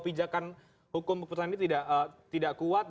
pijakan hukum keputusan ini tidak kuat